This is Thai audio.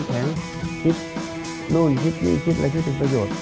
คิดนู้นคิดดีคิดขตุประโยชน์